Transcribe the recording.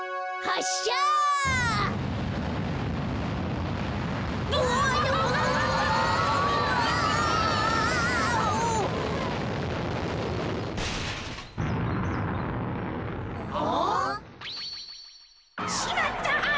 あっ？しまった！